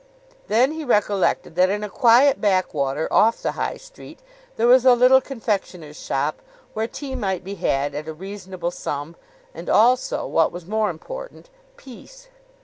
Then he recollected that in a quiet backwater off the High Street there was a little confectioner's shop, where tea might be had at a reasonable sum, and also, what was more important, peace.